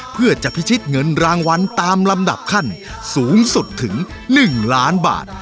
เพื่อจะพิชิตเงินรางวัลตามลำดับขั้นสูงสุดถึง๑ล้านบาท